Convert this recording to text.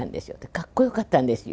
かっこよかったんですよ。